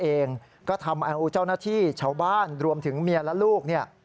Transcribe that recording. เองก็ทำเอาเจ้าหน้าที่ชาวบ้านรวมถึงเมียและลูกเนี่ย